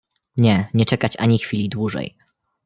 "Nie, nie czekać ani chwili dłużej."